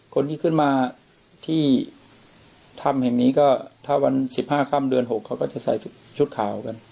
คนที่ขึ้นมาที่ถ้ำแห่งนี้ก็ถ้าวัน๑๕ค่ำเดือน๖เขาก็จะใส่ชุดขาวกัน